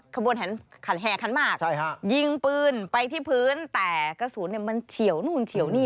แห่ขันมากยิงปืนไปที่พื้นแต่กระสุนมันเฉียวนู่นเฉียวนี่